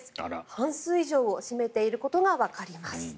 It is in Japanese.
半数以上を占めていることがわかります。